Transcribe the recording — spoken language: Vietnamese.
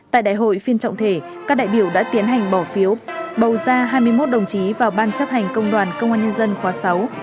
tại đại hội phiên trọng thể các đại biểu đã tiến hành bỏ phiếu bầu ra hai mươi một đồng chí vào ban chấp hành công đoàn công an nhân dân khóa sáu